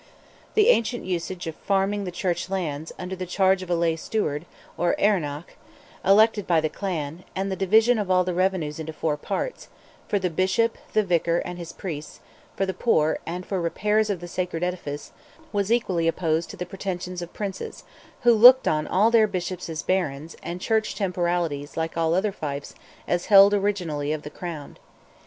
The ancient usage of farming the church lands, under the charge of a lay steward, or Erenach, elected by the clan, and the division of all the revenues into four parts—for the Bishop, the Vicar and his priests, for the poor, and for repairs of the sacred edifice, was equally opposed to the pretensions of Princes, who looked on their Bishops as Barons, and Church temporalities, like all other fiefs, as held originally of the crown.